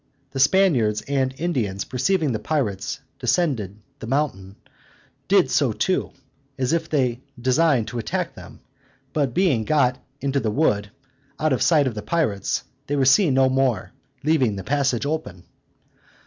The Spaniards and Indians perceiving the pirates descended the mountain, did so too, as if they designed to attack them; but being got into the wood, out of sight of the pirates, they were seen no more, leaving the passage open.